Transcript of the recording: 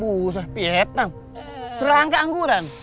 busah pietan serangka angguran